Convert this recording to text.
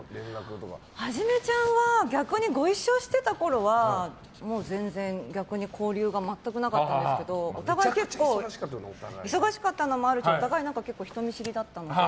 一ちゃんは逆にご一緒してたころは全然逆に交流が全くなかったんですけど忙しかったのもあるけどお互い、結構人見知りだったので。